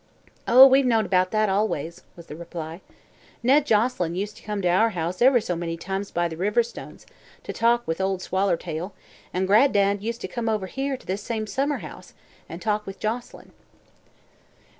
"Oh, we've known 'bout that always," was the reply. "Ned Joselyn used to come to our house ever so many times by the river stones, to talk with Ol' Swallertail, an' Gran'dad used to come over here, to this same summer house, an' talk with Joselyn."